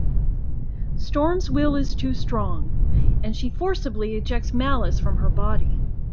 Storm's will is too strong, and she forcibly ejects Malice from her body.